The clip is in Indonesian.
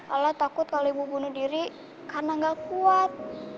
allah takut kalau ibu bunuh diri karena gak kuat